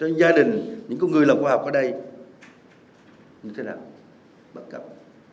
những gia đình những người lập hòa học ở đây như thế nào bất cập